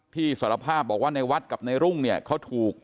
สารภาพบอกว่าในวัดกับในรุ่งเนี่ยเขาถูก